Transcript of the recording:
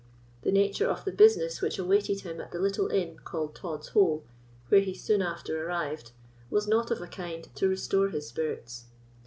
The nature of the business which awaited him at the little inn, called Tod's Hole, where he soon after arrived, was not of a kind to restore his spirits.